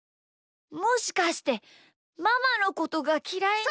もしかしてママのことがきらいに。